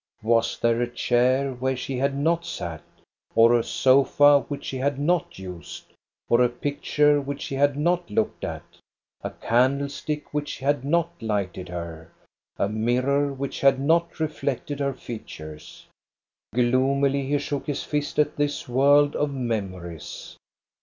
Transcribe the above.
Was there a chair where she had not sat, or a sofa which she had not used, or a picture which she had not looked at, a candlestick which had not lighted her, a mirror which had not reflected her features? Gloomily he shook his fist at this world of memories.